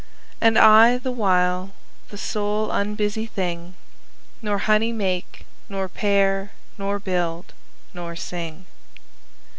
And I, the while, the sole unbusy thing, 5 Nor honey make, nor pair, nor build, nor sing.